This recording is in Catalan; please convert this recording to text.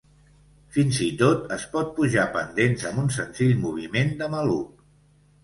Fins i tot es pot pujar pendents amb un senzill moviment de maluc.